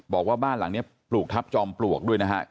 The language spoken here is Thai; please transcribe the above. บอกว่าบ้านหลังนี้ปลูกทัพจอมปลวกด้วยนะฮะ